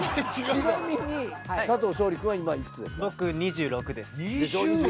ちなみに佐藤勝利君は今幾つですか？